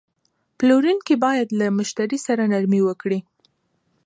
پلورونکی باید له مشتری سره نرمي وکړي.